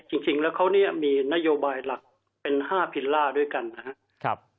จริงแล้วเขาเนี่ยมีนโยบายหลักเป็น๕พิลล่าด้วยกันนะครับ